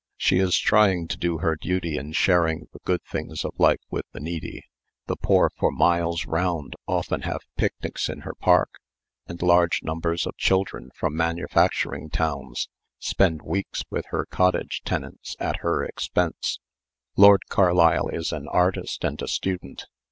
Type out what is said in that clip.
She is trying to do her duty in sharing the good things of life with the needy. The poor for miles round often have picnics in her park, and large numbers of children from manufacturing towns spend weeks with her cottage tenants at her expense. Lord Carlisle is an artist and a student.